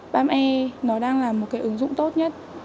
pam e nó đang là một ứng dụng tốt nhất